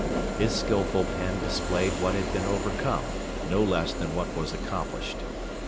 His skilful pen displayed what had been overcome, no less than what was accomplished.